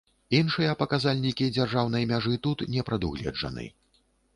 Іншыя паказальнікі дзяржаўнай мяжы тут не прадугледжаны.